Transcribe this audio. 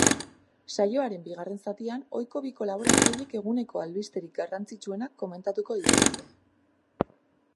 Saioaren bigarren zatian, ohiko bi kolaboratzailek eguneko albisterik garrantzitsuenak komentatuko dituzte.